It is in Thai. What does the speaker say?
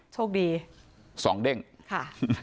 โชคดีค่ะ